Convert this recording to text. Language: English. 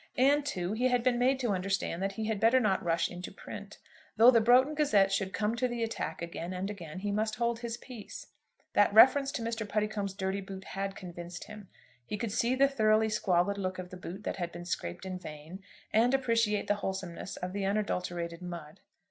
And, too, he had been made to understand that he had better not rush into print. Though the 'Broughton Gazette' should come to the attack again and again, he must hold his peace. That reference to Mr. Puddicombe's dirty boot had convinced him. He could see the thoroughly squalid look of the boot that had been scraped in vain, and appreciate the wholesomeness of the unadulterated mud.